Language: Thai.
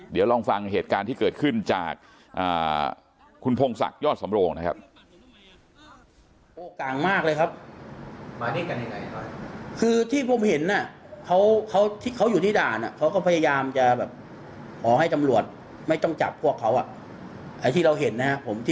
เดี๋ยวลองฟังเหตุการณ์ที่เกิดขึ้นจากคุณพงศักดิ์ยอดสำโรงนะครับ